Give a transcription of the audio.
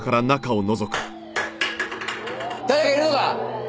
誰かいるのか！？